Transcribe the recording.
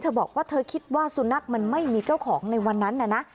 บอกว่าเธอคิดว่าสุนัขมันไม่มีเจ้าของในวันนั้นนะ